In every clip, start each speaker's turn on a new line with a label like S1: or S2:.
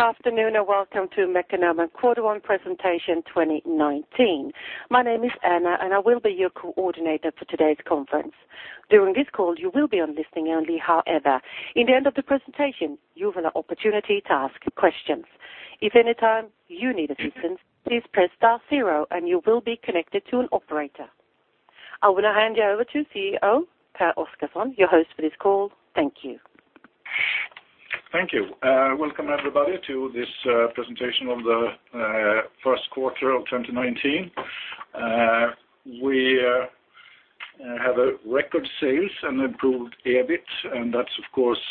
S1: Good afternoon, and welcome to Mekonomen Quarter 1 Presentation 2019. My name is Anna, and I will be your coordinator for today's conference. During this call, you will be on listening only. However, in the end of the presentation, you have an opportunity to ask questions. If any time you need assistance, please press star zero and you will be connected to an operator. I want to hand you over to CEO, Pehr Oscarson, your host for this call. Thank you.
S2: Thank you. Welcome everybody to this presentation of the first quarter of 2019. We have a record sales and improved EBIT, and that's of course,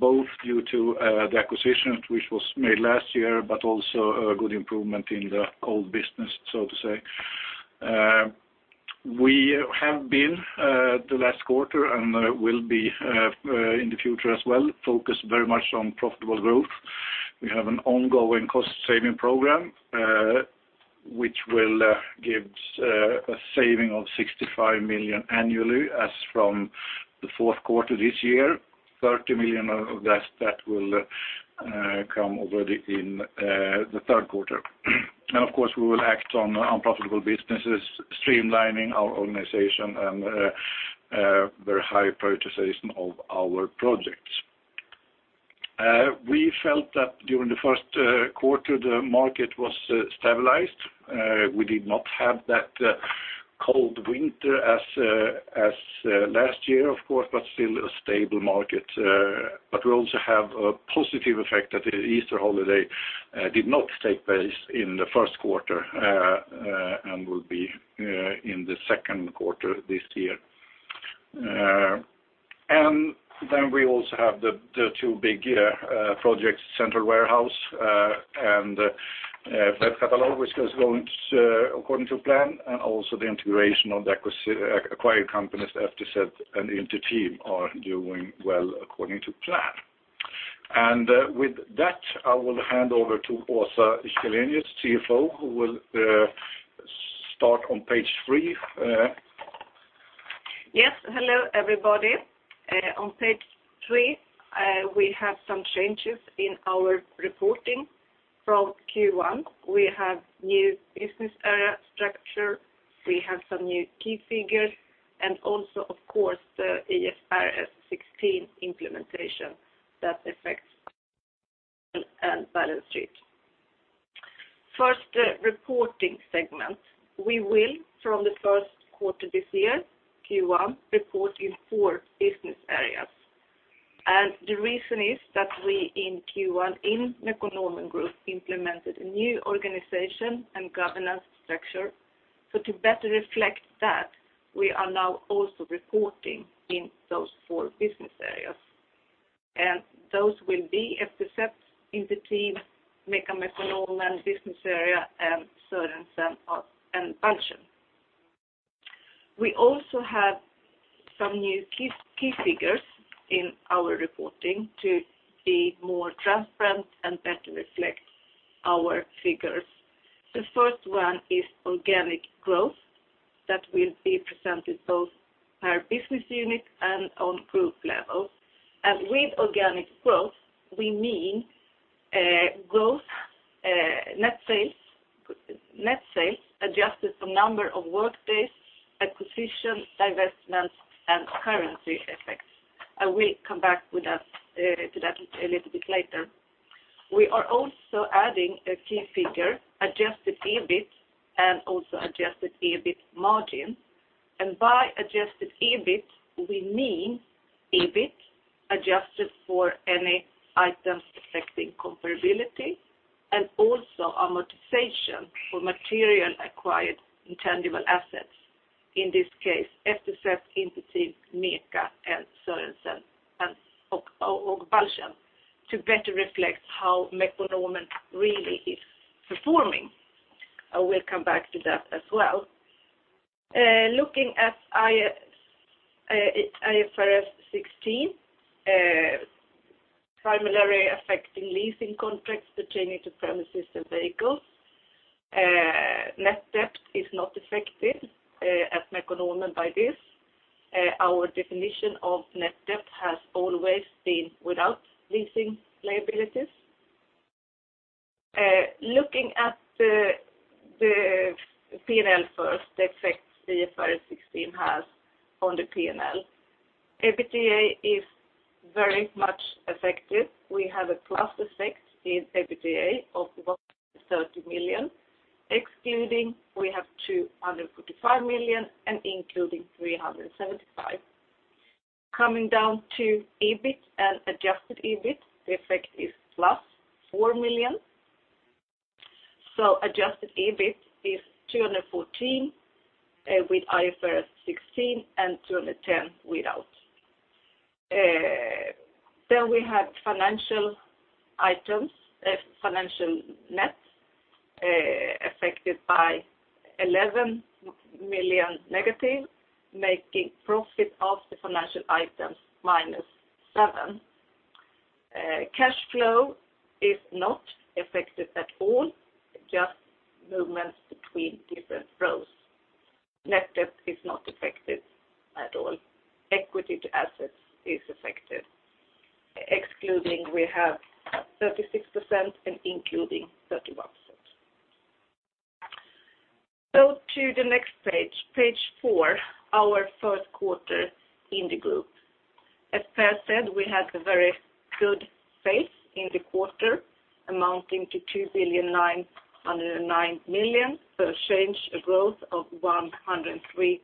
S2: both due to the acquisition which was made last year, but also a good improvement in the old business, so to say. We have been, the last quarter, and will be in the future as well, focused very much on profitable growth. We have an ongoing cost-saving program, which will give a saving of 65 million annually as from the fourth quarter this year, 30 million of that will come already in the third quarter. Of course, we will act on unprofitable businesses, streamlining our organization, and very high prioritization of our projects. We felt that during the first quarter, the market was stabilized. We did not have that cold winter as last year, of course, but still a stable market. We also have a positive effect that the Easter holiday did not take place in the first quarter, and will be in the second quarter this year. We also have the two big projects, Central Warehouse, and Fretkatalogen which is going according to plan, and also the integration of the acquired companies, FTZ and Inter-Team are doing well according to plan. With that, I will hand over to Åsa Källenius, CFO, who will start on page three.
S3: Yes. Hello, everybody. On page three, we have some changes in our reporting from Q1. We have new business area structure, we have some new key figures, and also, of course, the IFRS 16 implementation that affects and balance sheet. First, reporting segment. We will, from the first quarter this year, Q1, report in four business areas. The reason is that we in Q1 in Mekonomen Group implemented a new organization and governance structure. To better reflect that, we are now also reporting in those four business areas. Those will be FTZ, Inter-Team, MECA Mekonomen business area, and Sørensen og Balchen. We also have some new key figures in our reporting to be more transparent and better reflect our figures. The first one is organic growth, that will be presented both per business unit and on group level. With organic growth, we mean growth, net sales adjusted for number of workdays, acquisitions, divestments, and currency effects. I will come back to that a little bit later. We are also adding a key figure, adjusted EBIT and also adjusted EBIT margin. By adjusted EBIT, we mean EBIT adjusted for any items affecting comparability and also amortization for material acquired intangible assets. In this case, FTZ, Inter-Team, MECA, and Sørensen og Balchen to better reflect how Mekonomen really is performing. I will come back to that as well. Looking at IFRS 16, primarily affecting leasing contracts pertaining to premises and vehicles. Net debt is not affected at Mekonomen by this. Our definition of net debt has always been without leasing liabilities. Looking at the P&L first, the effect IFRS 16 has on the P&L. EBITDA is very much affected. We have a plus effect in EBITDA of about 30 million. Excluding, we have 235 million and including 375 million. Coming down to EBIT and adjusted EBIT, the effect is plus 4 million. Adjusted EBIT is 214 million with IFRS 16 and 210 million without. We have financial items, financial net affected by 11 million negative, making profit of the financial items minus 7 million. Cash flow is not affected at all, just movements between different rows. Net debt is not affected at all. Equity to assets is affected. Excluding, we have 36% and including 31%. Go to the next page four, our first quarter in the group. As Pehr said, we had a very good pace in the quarter, amounting to 2,909 million, so a growth of 103%.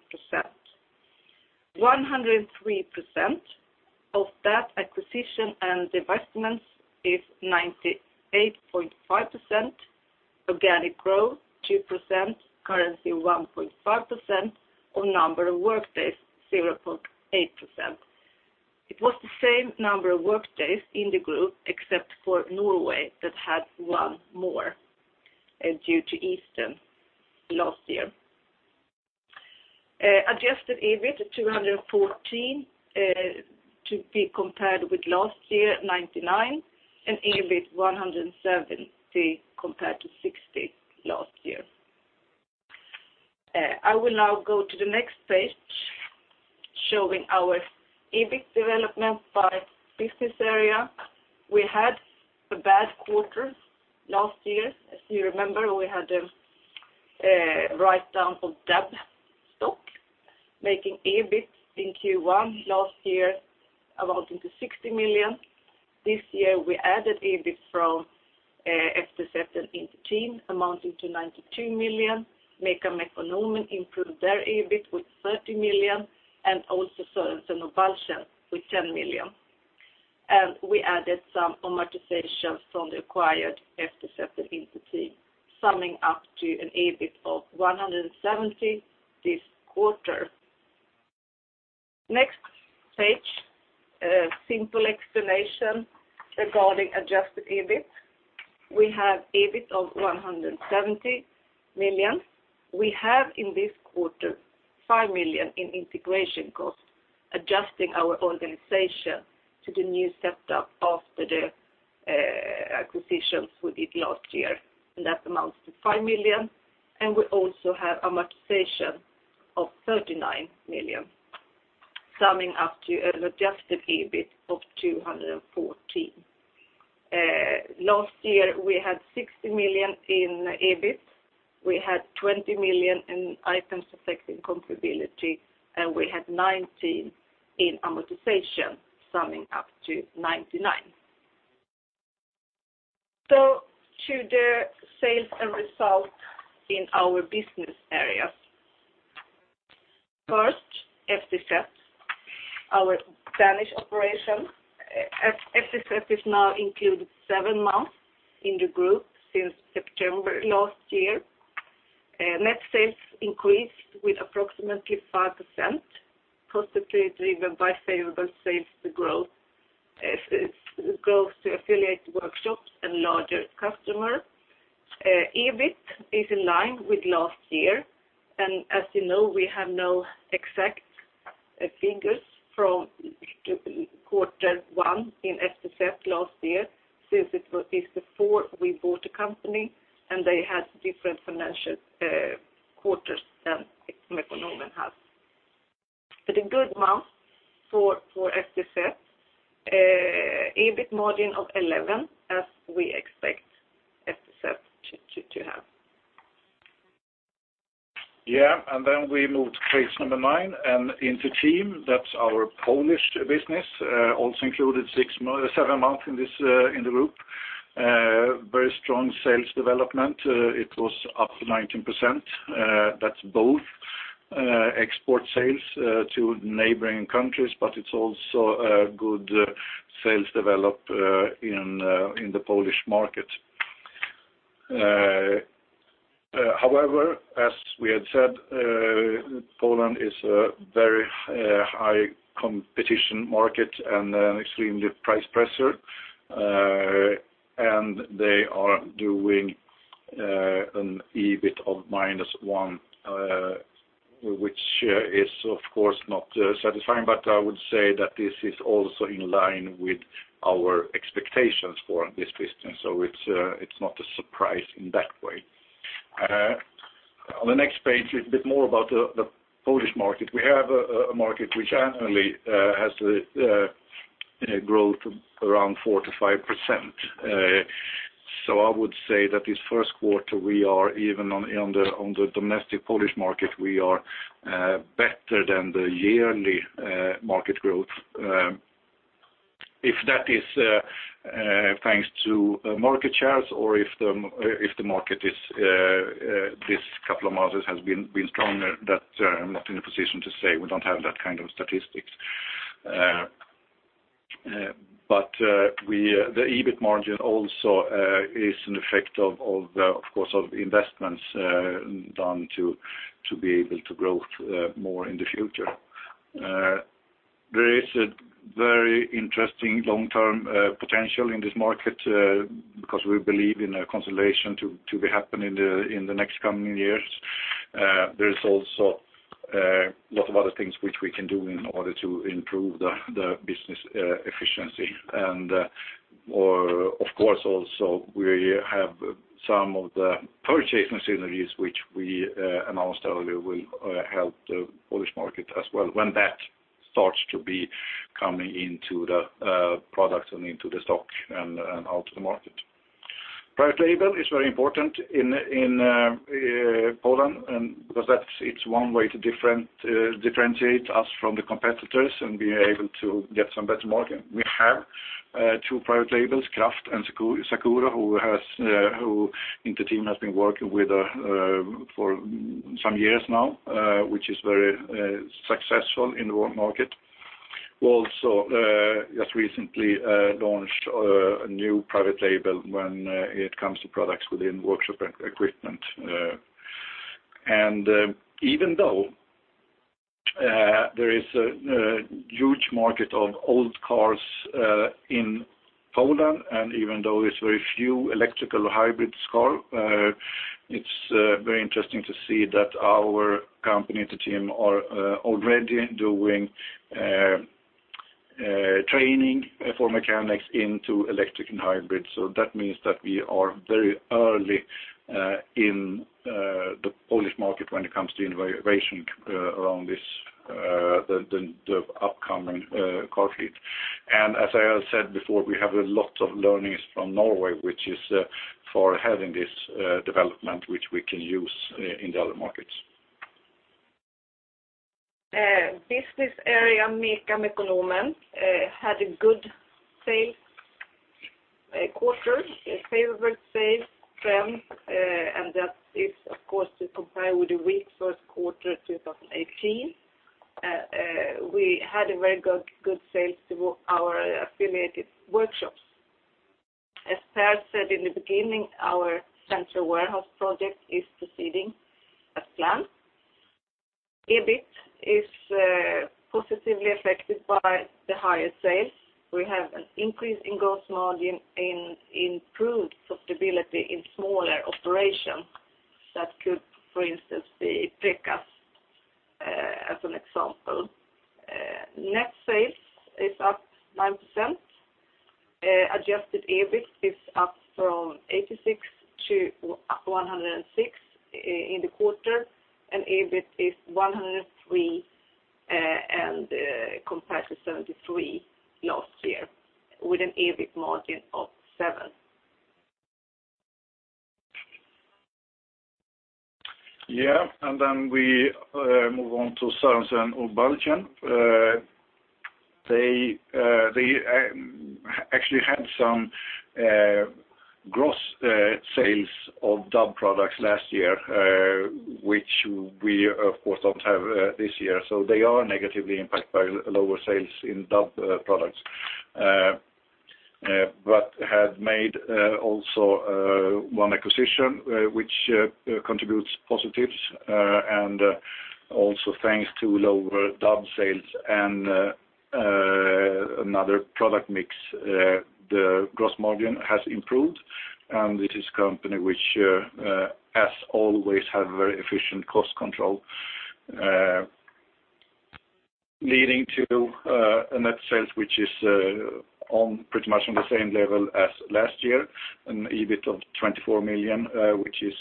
S3: 103% of that acquisition and divestments is 98.5%, organic growth 2%, currency 1.5%, or number of workdays 0.8%. It was the same number of workdays in the group, except for Norway, that had one more due to Easter last year. Adjusted EBIT 214 million, to be compared with last year, 99 million, and EBIT 170 million compared to 60 million last year. I will now go to the next page showing our EBIT development by business area. We had a bad quarter last year. As you remember, we had a write-down for DAB stock, making EBIT in Q1 last year amounting to 60 million. This year we added EBIT from FTZ and Inter-Team amounting to 92 million, MECA Mekonomen improved their EBIT with 30 million, and also Söderberg & Partners with 10 million. We added some amortization from the acquired FTZ and Inter-Team summing up to an EBIT of 170 million this quarter. Next page, a simple explanation regarding adjusted EBIT. We have EBIT of 170 million. We have in this quarter 5 million in integration costs, adjusting our organization to the new setup after the acquisitions we did last year, and that amounts to 5 million, and we also have amortization of 39 million, summing up to an adjusted EBIT of 214 million. Last year we had 60 million in EBIT. We had 20 million in items affecting comparability, and we had 19 million in amortization, summing up to 99 million. To the sales and results in our business areas. First, FTZ, our Danish operation. FTZ is now included seven months in the group since September last year. Net sales increased with approximately 5%, constituted even by favorable sales growth to affiliate workshops and larger customers. EBIT is in line with last year, and as you know we have no exact figures from Q1 in FTZ last year since it was before we bought the company and they had different financial quarters than Mekonomen had. A good month for FTZ. EBIT margin of 11% as we expect FTZ to have.
S2: We move to page nine and Inter-Team, that's our Polish business, also included seven months in the group. Very strong sales development. It was up 19%. That's both export sales to neighboring countries, but it's also a good sales development in the Polish market. However, as we had said, Poland is a very high competition market and an extremely price pressure, and they are doing an EBIT of -1%, which is of course not satisfying, but I would say that this is also in line with our expectations for this business, so it's not a surprise in that way. The next page is a bit more about the Polish market. We have a market which annually has a growth around 4%-5%. I would say that this first quarter, even on the domestic Polish market, we are better than the yearly market growth. If that is thanks to market shares or if the market these couple of months has been stronger, that I'm not in a position to say. We don't have that kind of statistics. The EBIT margin also is an effect, of course, of the investments done to be able to grow more in the future. There is a very interesting long-term potential in this market, because we believe in a consolidation to be happening in the next coming years. There is also a lot of other things which we can do in order to improve the business efficiency. Of course also, we have some of the purchasing synergies which we announced earlier will help the Polish market as well when that starts to be coming into the products and into the stock and out to the market. Private label is very important in Poland because it's one way to differentiate us from the competitors and being able to get some better margin. We have two private labels, Kraft and Sakura, who Inter-Team has been working with for some years now which is very successful in the world market. We also just recently launched a new private label when it comes to products within workshop equipment. Even though there is a huge market of old cars in Poland, and even though it's very few electric hybrid cars, it's very interesting to see that our company, Inter-Team, are already doing training for mechanics into electric and hybrid. That means that we are very early in the Polish market when it comes to innovation around the upcoming car fleet. As I have said before, we have a lot of learnings from Norway for having this development which we can use in the other markets.
S3: Business area Mekonomen had a good sales quarter, a favorable sales trend, and that is of course to compare with the weak first quarter 2018. We had a very good sales through our affiliated workshops. As Pehr said in the beginning, our Central Warehouse project is proceeding as planned. EBIT is positively affected by the higher sales. We have an increase in gross margin in improved profitability in smaller operations. That could, for instance, be ProMeister as an example. Net sales is up 9%. Adjusted EBIT is up from 86 to 106 in the quarter, and EBIT is 103 compared to 73 last year with an EBIT margin of 7%.
S2: Sørensen og Balchen actually had some gross sales of DUB products last year, which we of course don't have this year. They are negatively impacted by lower sales in DUB products. Had made also one acquisition which contributes positives, and also thanks to lower DUB sales and another product mix, the gross margin has improved. It is a company which has always had very efficient cost control, leading to a net sales which is pretty much on the same level as last year, an EBIT of 24 million which is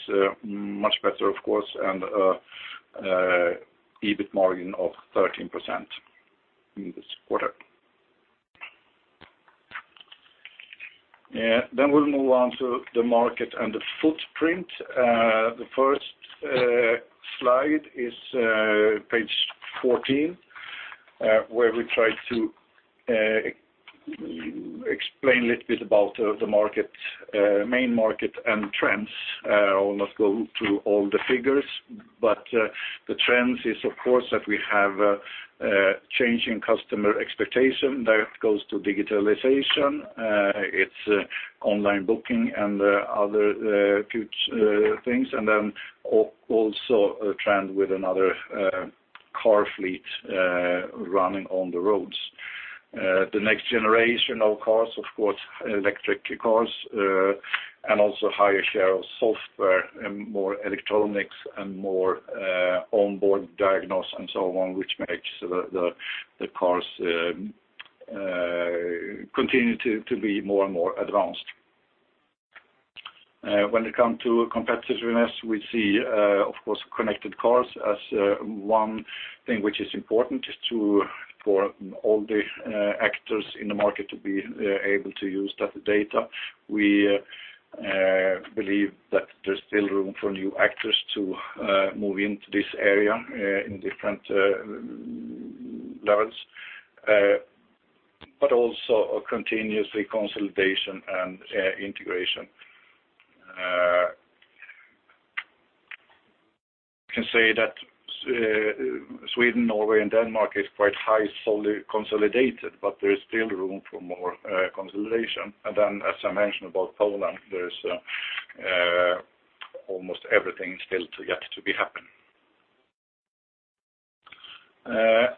S2: much better of course, and an EBIT margin of 13% in this quarter. We'll move on to the market and the footprint. The first slide is page 14, where we try to explain a little bit about the main market and trends. I will not go through all the figures, but the trends is of course that we have a change in customer expectation that goes to digitalization. It's online booking and other future things, also a trend with another car fleet running on the roads. The next generation of cars, of course, electric cars, and also higher share of software and more electronics and more On-Board Diagnostics and so on, which makes the cars continue to be more and more advanced. When it comes to competitiveness, we see, of course, connected cars as one thing which is important for all the actors in the market to be able to use that data. We believe that there's still room for new actors to move into this area in different levels, but also a continuous consolidation and integration. Can say that Sweden, Norway and Denmark is quite highly consolidated, but there is still room for more consolidation. As I mentioned about Poland, there's almost everything still yet to happen.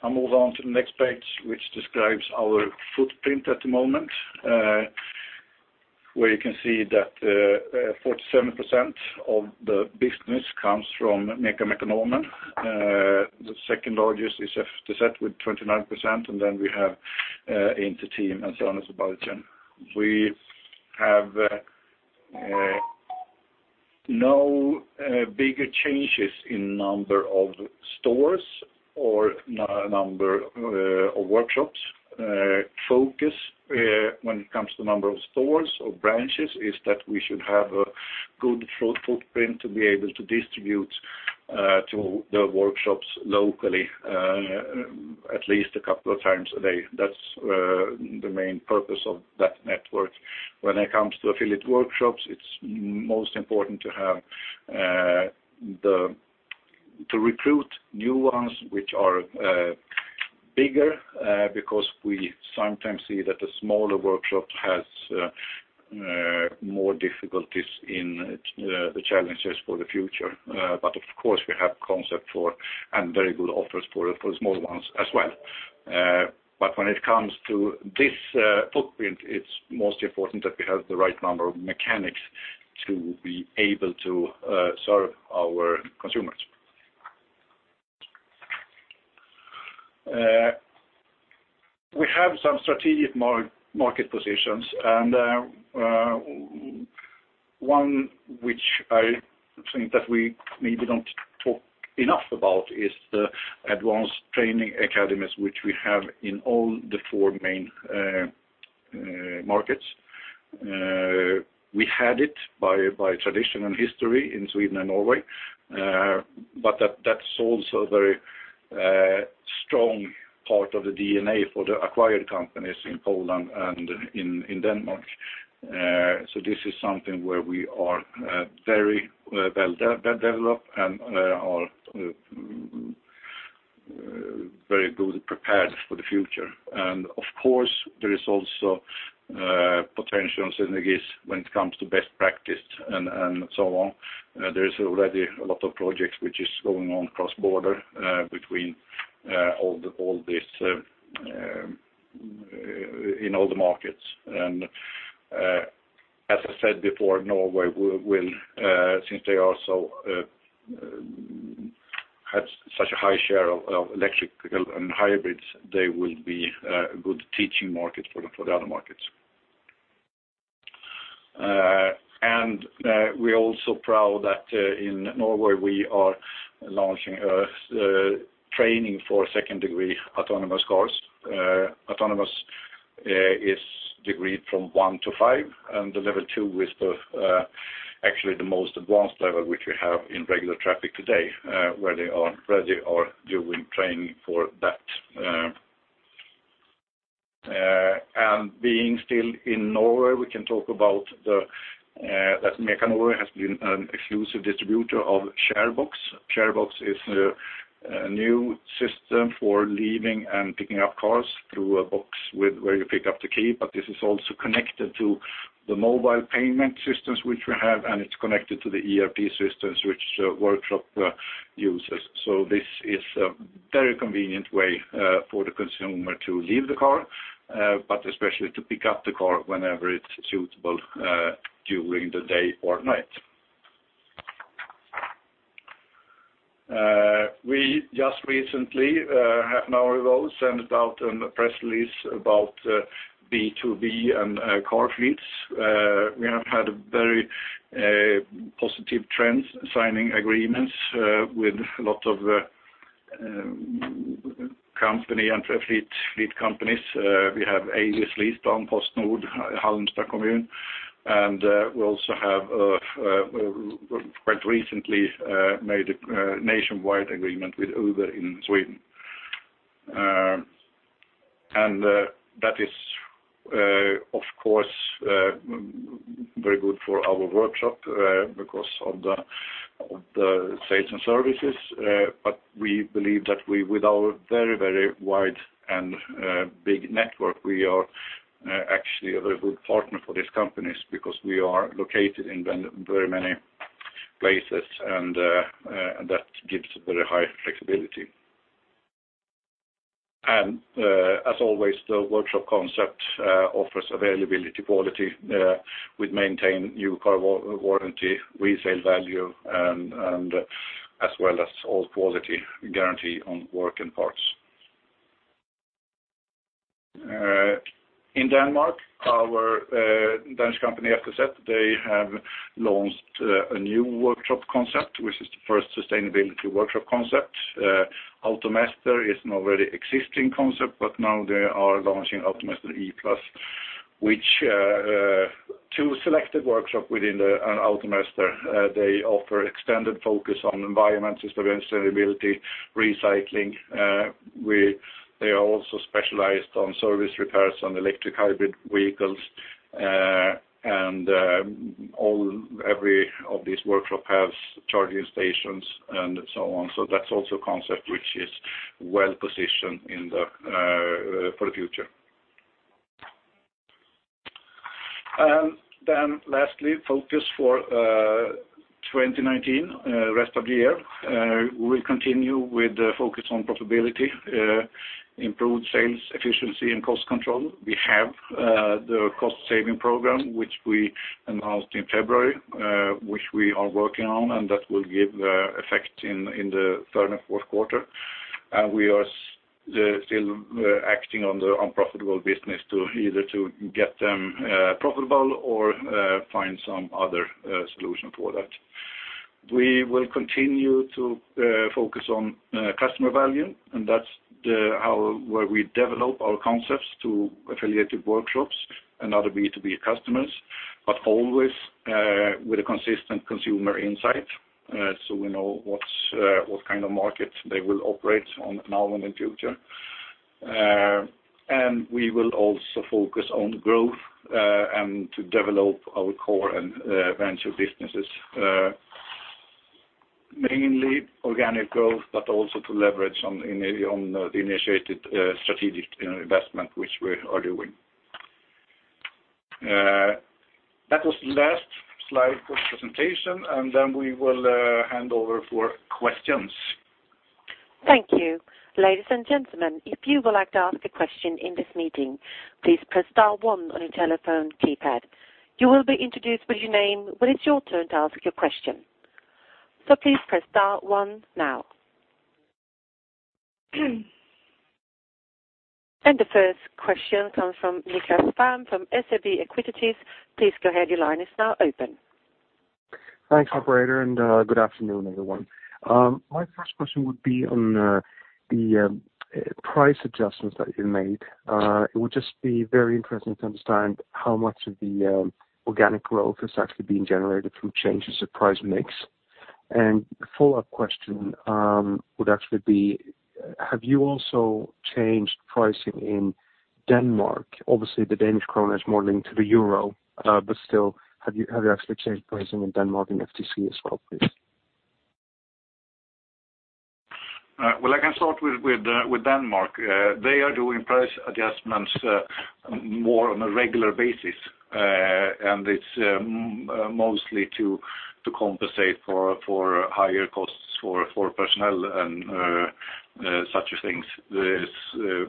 S2: I'll move on to the next page, which describes our footprint at the moment, where you can see that 47% of the business comes from MECA, Mekonomen. The second largest is FTZ with 29%, and then we have Inter-Team and so on and so forth. We have no bigger changes in number of stores or number of workshops. Focus when it comes to number of stores or branches is that we should have a good footprint to be able to distribute to the workshops locally at least a couple of times a day. That's the main purpose of that network. When it comes to affiliate workshops, it's most important to recruit new ones which are bigger, because we sometimes see that a smaller workshop has more difficulties in the challenges for the future. Of course, we have concept for and very good offers for the small ones as well. When it comes to this footprint, it's most important that we have the right number of mechanics to be able to serve our consumers. We have some strategic market positions, and one which I think that we maybe don't talk enough about is the advanced training academies, which we have in all the four main markets. We had it by tradition and history in Sweden and Norway. That's also a very strong part of the DNA for the acquired companies in Poland and in Denmark. This is something where we are very well developed and are very well prepared for the future. Of course, there is also potential synergies when it comes to best practice and so on. There is already a lot of projects which is going on cross-border between in all the markets. As I said before, Norway will since they also had such a high share of electric and hybrids, they will be a good teaching market for the other markets. We are also proud that in Norway we are launching a training for second degree autonomous course. Autonomous is degreed from one to five, and the level 2 is actually the most advanced level, which we have in regular traffic today where they are ready or doing training for that. Being still in Norway, we can talk about that Mekonomen has been an exclusive distributor of Sharebox. Sharebox is a new system for leaving and picking up cars through a box where you pick up the key. This is also connected to the mobile payment systems which we have, and it's connected to the ERP systems which workshop uses. This is a very convenient way for the consumer to leave the car, but especially to pick up the car whenever it's suitable during the day or night. We just recently have now sent out a press release about B2B and car fleets. We have had a very positive trend signing agreements with a lot of company and fleet companies. We have Avis, LeastPlan, PostNord, Halmstad kommun, and we also have quite recently made a nationwide agreement with Uber in Sweden. That is of course very good for our workshop because of the sales and services. We believe that with our very wide and big network, we are actually a very good partner for these companies because we are located in very many places and that gives very high flexibility. As always, the workshop concept offers availability quality with maintain new car warranty, resale value, and as well as all quality guarantee on work and parts. In Denmark, our Danish company, FTZ, they have launched a new workshop concept, which is the first sustainability workshop concept. AutoMester is an already existing concept, but now they are launching AutoMester E+, which two selected workshop within the AutoMester they offer extended focus on environment, system sustainability, recycling. They are also specialized on service repairs on electric hybrid vehicles. Every of these workshop has charging stations and so on. That's also a concept which is well-positioned for the future. Then lastly, focus for 2019, rest of the year. We continue with the focus on profitability, improved sales efficiency and cost control. We have the cost-saving program, which we announced in February, which we are working on, and that will give effect in the third and fourth quarter. We are still acting on the unprofitable business to either get them profitable or find some other solution for that. We will continue to focus on customer value, and that's where we develop our concepts to affiliated workshops and other B2B customers, but always with a consistent consumer insight, so we know what kind of market they will operate on now and in future. We will also focus on growth and to develop our core and venture businesses. Mainly organic growth, also to leverage on the initiated strategic investment, which we are doing. That was the last slide for presentation, then we will hand over for questions.
S1: Thank you. Ladies and gentlemen, if you would like to ask a question in this meeting, please press star one on your telephone keypad. You will be introduced with your name when it's your turn to ask your question. Please press star one now. The first question comes from Niklas Palm from SEB Equities. Please go ahead. Your line is now open.
S4: Thanks, operator, good afternoon, everyone. My first question would be on the price adjustments that you made. It would just be very interesting to understand how much of the organic growth is actually being generated through changes of price mix. A follow-up question would actually be, have you also changed pricing in Denmark? Obviously, the Danish krone is more linked to the EUR, but still, have you actually changed pricing in Denmark and FTZ as well, please?
S2: Well, I can start with Denmark. They are doing price adjustments more on a regular basis, and it's mostly to compensate for higher costs for personnel and such things. There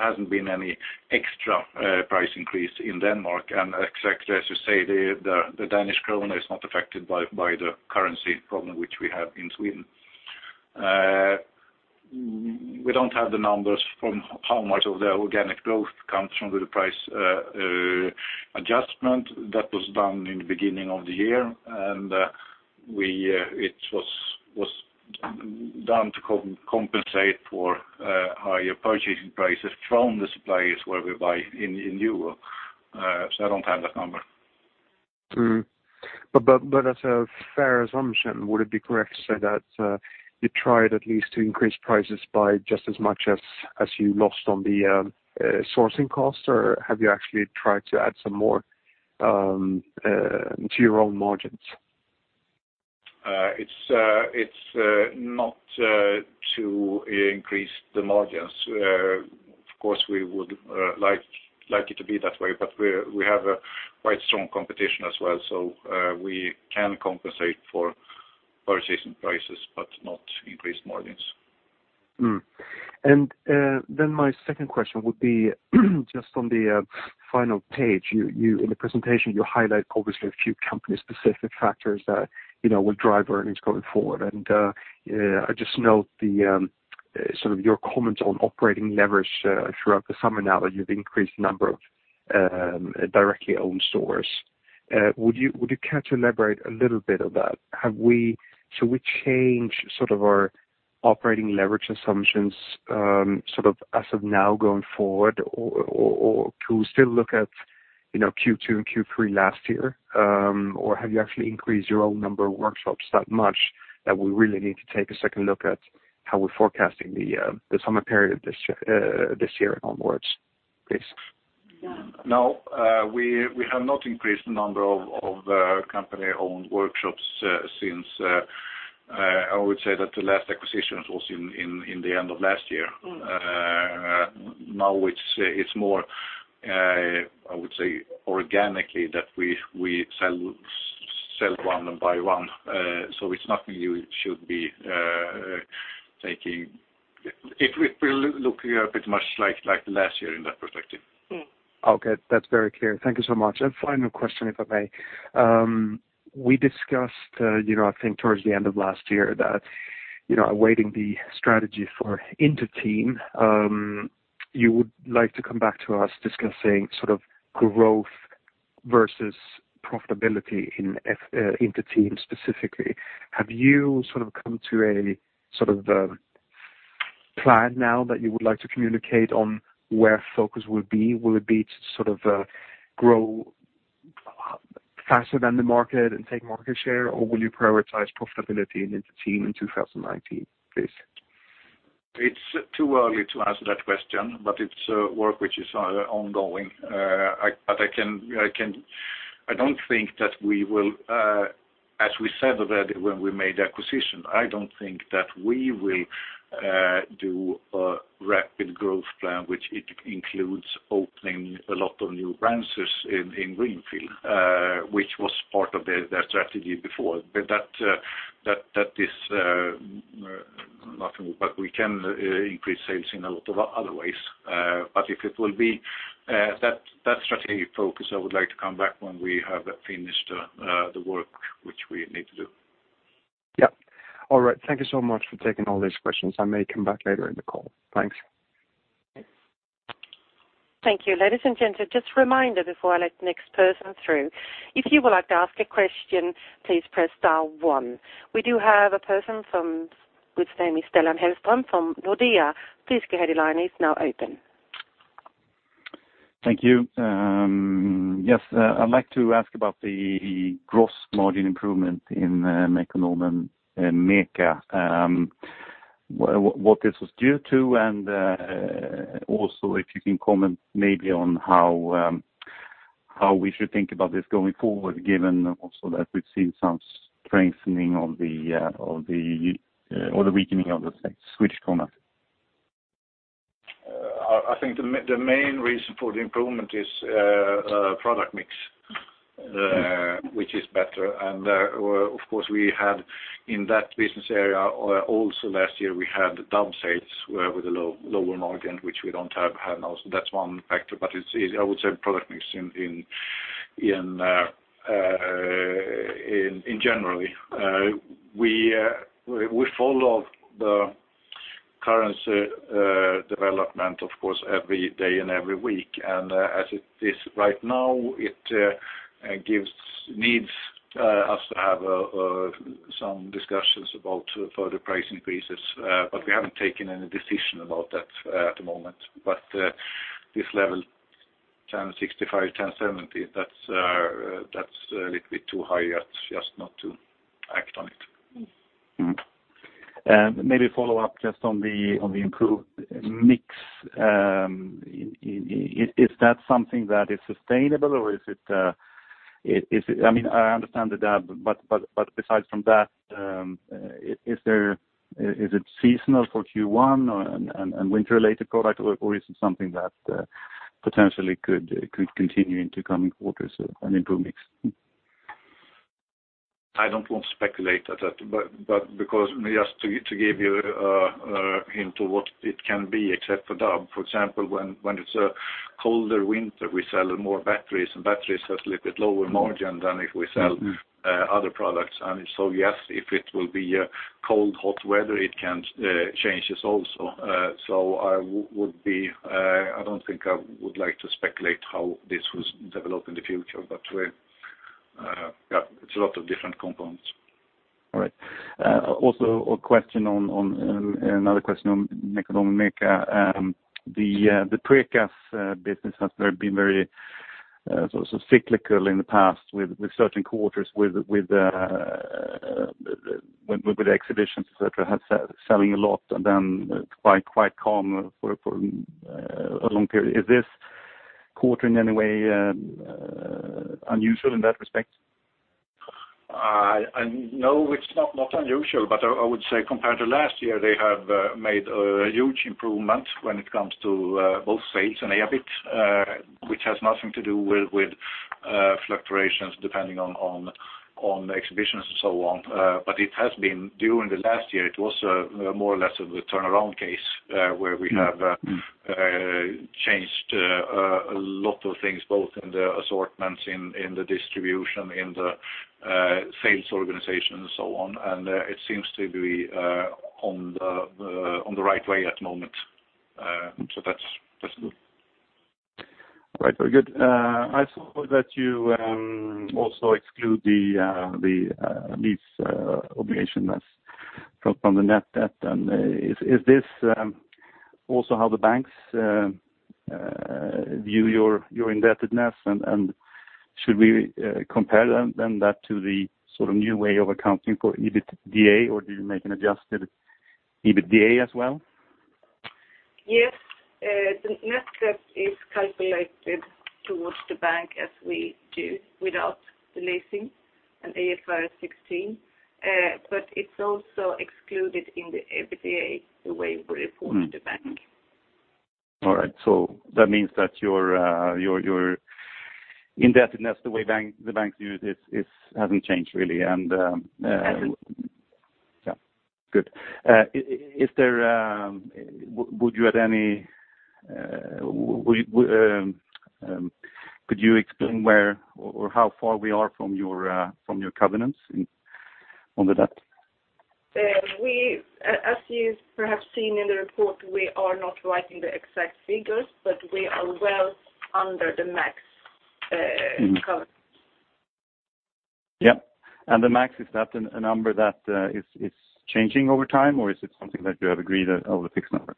S2: hasn't been any extra price increase in Denmark. Exactly as you say, the Danish krone is not affected by the currency problem which we have in Sweden. We don't have the numbers from how much of the organic growth comes from the price adjustment that was done in the beginning of the year. It was done to compensate for higher purchasing prices from the suppliers where we buy in EUR. I don't have that number.
S4: As a fair assumption, would it be correct to say that you tried at least to increase prices by just as much as you lost on the sourcing cost, or have you actually tried to add some more to your own margins?
S2: It's not to increase the margins. Of course, we would like it to be that way, but we have a quite strong competition as well, so we can compensate for purchasing prices, but not increase margins.
S4: My second question would be just on the final page. In the presentation, you highlight obviously a few company-specific factors that will drive earnings going forward. I just note your comments on operating leverage throughout the summer now that you've increased the number of directly owned stores. Would you care to elaborate a little of that? Should we change our operating leverage assumptions as of now going forward, or can we still look at Q2 and Q3 last year? Or have you actually increased your own number of workshops that much that we really need to take a second look at how we're forecasting the summer period this year onwards, please?
S2: No, we have not increased the number of company-owned workshops since I would say that the last acquisitions was in the end of last year. Now it's more, I would say, organically that we sell one and buy one. It will look here pretty much like last year in that perspective.
S4: Okay. That's very clear. Thank you so much. Final question, if I may. We discussed, I think towards the end of last year that, awaiting the strategy for Inter-Team, you would like to come back to us discussing growth versus profitability in Inter-Team specifically. Have you come to a plan now that you would like to communicate on where focus will be? Will it be to grow faster than the market and take market share, or will you prioritize profitability in Inter-Team in 2019, please?
S2: It's too early to answer that question, but it's work which is ongoing. I don't think that we will, as we said already when we made the acquisition, I don't think that we will do a rapid growth plan, which includes opening a lot of new branches in greenfield, which was part of their strategy before. We can increase sales in a lot of other ways. If it will be that strategy focus, I would like to come back when we have finished the work which we need to do.
S4: Yes. All right. Thank you so much for taking all these questions. I may come back later in the call. Thanks.
S1: Thank you. Ladies and gentlemen, just a reminder before I let the next person through. If you would like to ask a question, please press star one. We do have a person from, good name is Stellan Hellström from Nordea. Please go ahead, your line is now open.
S5: Thank you. Yes, I'd like to ask about the gross margin improvement in Mekonomen MECA, what this was due to, and also if you can comment maybe on how we should think about this going forward, given also that we've seen some strengthening on the, or the weakening of the Swedish krona?
S2: I think the main reason for the improvement is product mix, which is better. Of course, we had in that business area, also last year, we had down sales with a lower margin, which we don't have now, so that's one factor. I would say product mix in general. We follow the currency development, of course, every day and every week. As it is right now, it needs us to have some discussions about further price increases, but we haven't taken any decision about that at the moment. This level, 10.65, 10.70, that's a little bit too high just not to act on it.
S5: Maybe a follow-up just on the improved mix. Is that something that is sustainable or is it? I understand the DAB, but besides from that, is it seasonal for Q1 and winter-related product, or is it something that potentially could continue into coming quarters, an improved mix?
S2: I don't want to speculate at that, because just to give you a hint of what it can be except for DAB, for example, when it's a colder winter, we sell more batteries, and batteries have a little bit lower margin than if we sell other products. Yes, if it will be a cold/hot weather, it can change this also. I don't think I would like to speculate how this will develop in the future, but, yes, it's a lot of different components.
S5: All right. Also another question on Mekonomen MECA. The ProMeister business has been very cyclical in the past with certain quarters with exhibitions, et cetera, selling a lot and then quite calm for a long period. Is this quarter in any way unusual in that respect?
S2: No, it's not unusual. I would say compared to last year, they have made a huge improvement when it comes to both sales and EBIT, which has nothing to do with fluctuations depending on exhibitions and so on. It has been, during the last year, it was more or less of a turnaround case, where we have changed a lot of things, both in the assortments, in the distribution, in the sales organization, and so on. It seems to be on the right way at the moment. That's good.
S5: All right. Very good. I saw that you also exclude the lease obligation that's from the net debt. Is this also how the banks view your indebtedness? Should we compare then that to the sort of new way of accounting for EBITDA, or do you make an adjusted EBITDA as well?
S3: Yes. The net debt is calculated towards the bank as we do without the leasing and IFRS 16. It's also excluded in the EBITDA the way we report to the bank.
S5: All right. That means that your indebtedness, the way the banks view it, hasn't changed really.
S3: Hasn't.
S5: Yes. Good. Could you explain where or how far we are from your covenants on the debt?
S3: As you perhaps seen in the report, we are not writing the exact figures, but we are well under the max covenant.
S5: Yes. The max, is that a number that is changing over time, or is it something that you have agreed of a fixed number?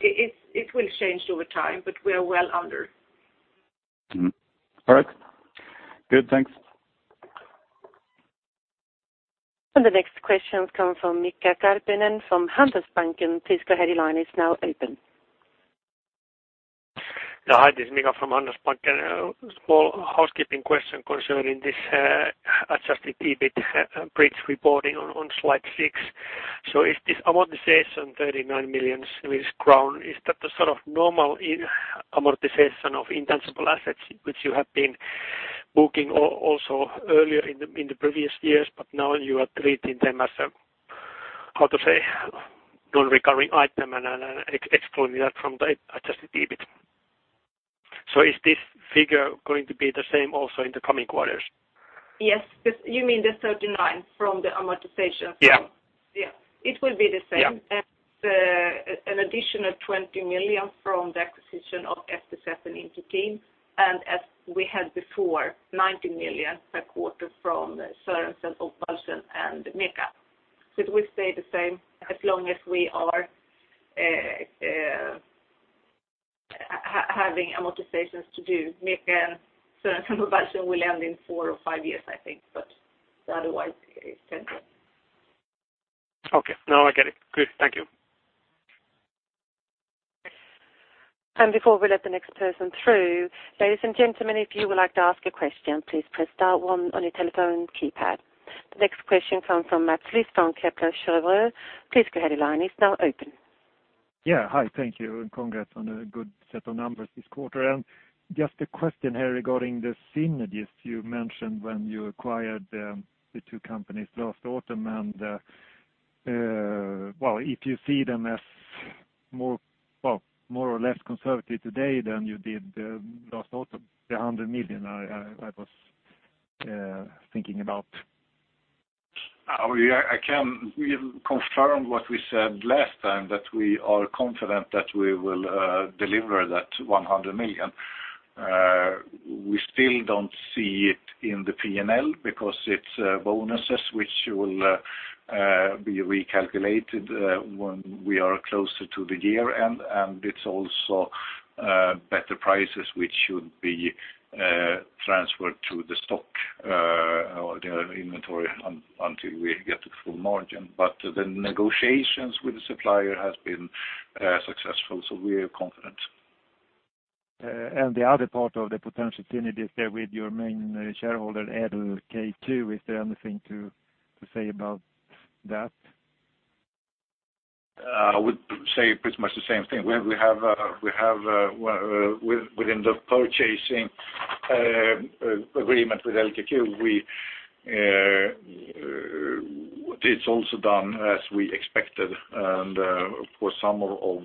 S3: It will change over time, but we are well under.
S5: All right. Good. Thanks.
S1: The next questions come from Mika Karppinen from Handelsbanken. Please go ahead, your line is now open.
S6: Hi, this is Mika from Handelsbanken. A small housekeeping question concerning this adjusted EBIT bridge reporting on slide six. Is this amortization 39 million crown, is that the sort of normal amortization of intangible assets, which you have been booking also earlier in the previous years, but now you are treating them as a, how to say, non-recurring item and excluding that from the adjusted EBIT. Is this figure going to be the same also in the coming quarters?
S3: Yes. You mean the 39 from the amortization?
S6: Yeah.
S3: Yeah. It will be the same.
S6: Yeah.
S3: An additional 20 million from the acquisition of FDC and Inter-Team, and as we had before, 90 million per quarter from Sørensen og Balchen and MECA. It will stay the same as long as we are having amortizations to do. MECA and Sørensen og Balchen will end in four or five years, I think, but otherwise it is stable.
S6: Okay. Now I get it. Good. Thank you.
S1: Before we let the next person through, ladies and gentlemen, if you would like to ask a question, please press star one on your telephone keypad. The next question come from Mats Liss from Kepler Cheuvreux. Please go ahead, your line is now open.
S7: Hi, thank you, congrats on a good set of numbers this quarter. Just a question here regarding the synergies you mentioned when you acquired the two companies last autumn, if you see them as more or less conservative today than you did last autumn, the 100 million I was thinking about.
S2: I can confirm what we said last time, that we are confident that we will deliver that 100 million. We still don't see it in the P&L because it's bonuses which will be recalculated when we are closer to the year-end, and it's also better prices, which should be transferred to the stock or the inventory until we get to full margin. The negotiations with the supplier has been successful. We are confident.
S7: The other part of the potential synergies there with your main shareholder, LKQ, is there anything to say about that?
S2: I would say pretty much the same thing. Within the purchasing agreement with LKQ, it's also done as we expected. For some of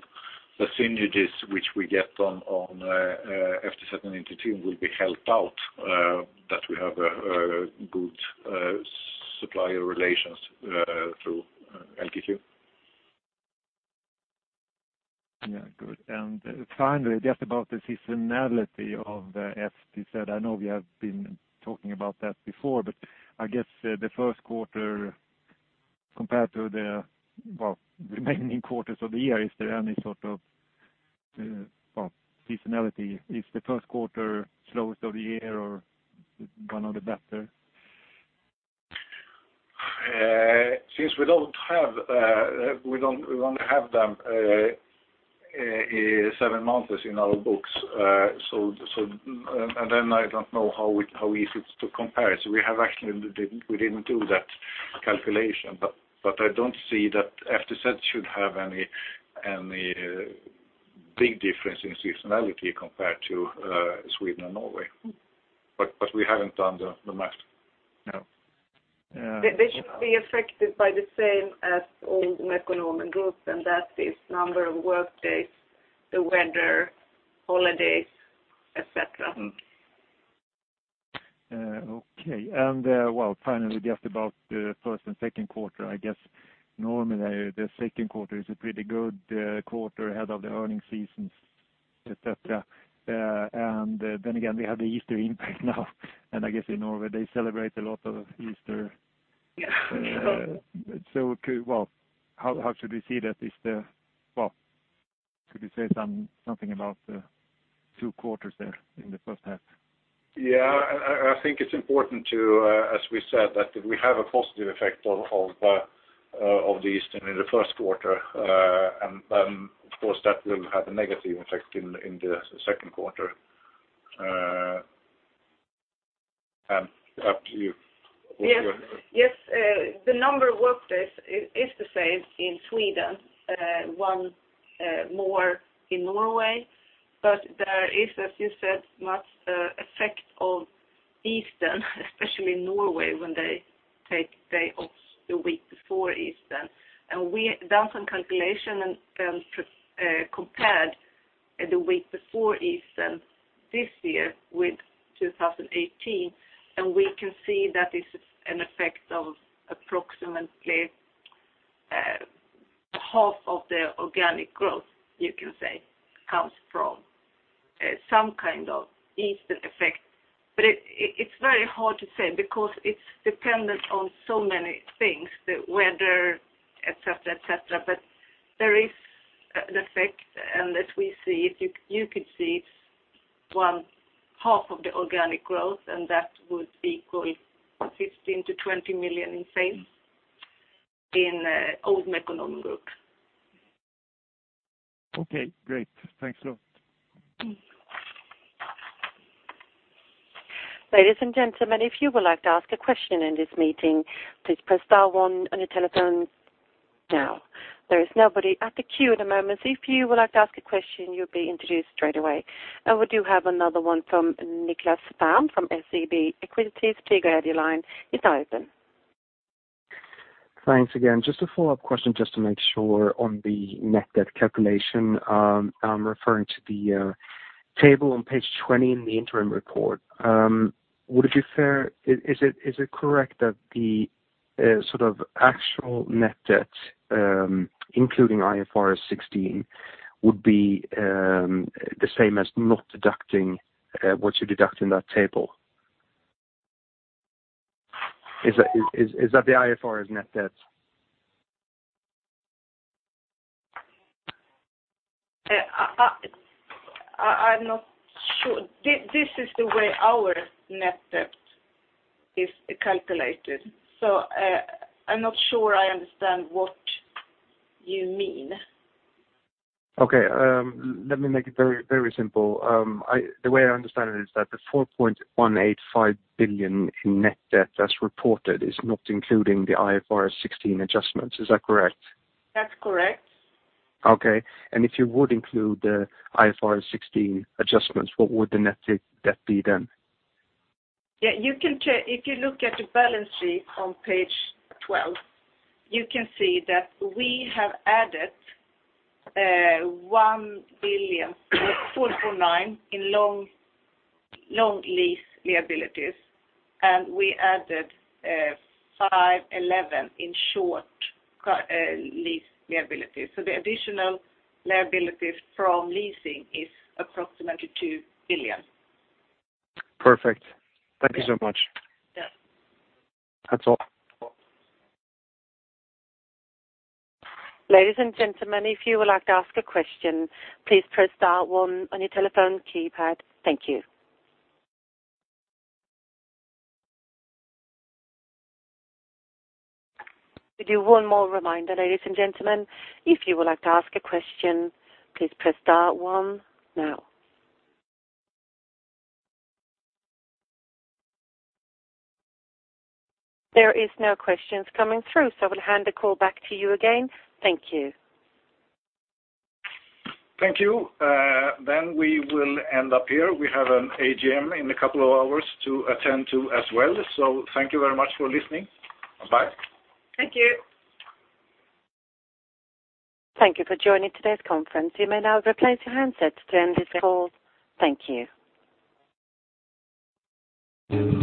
S2: the synergies which we get on FTZ and Inter-Team will be helped out, that we have a good supplier relations through LKQ.
S7: Yeah. Good. Finally, just about the seasonality of FTZ. I know we have been talking about that before. I guess the first quarter compared to the remaining quarters of the year, is there any sort of seasonality? Is the first quarter slowest of the year or one of the better?
S2: Since we only have them seven months in our books, and then I don't know how easy it is to compare it. We didn't do that calculation, but I don't see that FDC should have any big difference in seasonality compared to Sweden and Norway. We haven't done the math. No.
S3: They should be affected by the same as old Mekonomen Group, and that is number of workdays, the weather, holidays, et cetera.
S7: Okay. Well, finally, just about the first and second quarter, I guess normally the second quarter is a pretty good quarter ahead of the earnings seasons, et cetera. Again, we have the Easter impact now, and I guess in Norway they celebrate a lot of Easter.
S3: Yeah.
S7: Well, how should we see that well, could you say something about the two quarters there in the first half?
S2: Yeah. I think it's important to, as we said, that we have a positive effect of the Easter in the first quarter. Of course, that will have a negative effect in the second quarter. Åsa, up to you.
S3: Yes. The number of workdays is the same in Sweden, one more in Norway. There is, as you said, much effect of Easter, especially in Norway, when they take day off the week before Easter. We've done some calculation and compared the week before Easter this year with 2018, and we can see that it's an effect of approximately half of the organic growth, you can say, comes from some kind of Easter effect. It's very hard to say because it's dependent on so many things, the weather et cetera. There is an effect, and as you could see, it's one half of the organic growth, and that would equal 15 million-20 million in sales in old MEKO Group.
S7: Okay, great. Thanks a lot.
S1: Ladies and gentlemen, if you would like to ask a question in this meeting, please press star one on your telephone now. There is nobody at the queue at the moment, so if you would like to ask a question, you'll be introduced straight away. We do have another one from Niklas Palm from SEB Equities. To go ahead, your line is open.
S4: Thanks again. Just a follow-up question just to make sure on the net debt calculation. I'm referring to the table on page 20 in the interim report. Is it correct that the actual net debt, including IFRS 16, would be the same as not deducting what you deduct in that table? Is that the IFRS net debt?
S3: I'm not sure. This is the way our net debt is calculated, so I'm not sure I understand what you mean.
S4: Okay. Let me make it very simple. The way I understand it is that the 4.185 billion in net debt as reported is not including the IFRS 16 adjustments. Is that correct?
S3: That's correct.
S4: Okay. If you would include the IFRS 16 adjustments, what would the net debt be then?
S3: If you look at the balance sheet on page 12, you can see that we have added 1 billion 4.9 in long lease liabilities, and we added 511 in short lease liabilities. The additional liabilities from leasing is approximately 2 billion.
S4: Perfect. Thank you so much.
S3: Yeah.
S4: That's all.
S1: Ladies and gentlemen, if you would like to ask a question, please press star one on your telephone keypad. Thank you. We do one more reminder, ladies and gentlemen. If you would like to ask a question, please press star one now. There is no questions coming through, I will hand the call back to you again. Thank you.
S2: Thank you. We will end up here. We have an AGM in a couple of hours to attend to as well. Thank you very much for listening. Bye.
S3: Thank you.
S1: Thank you for joining today's conference. You may now replace your handsets to end this call. Thank you.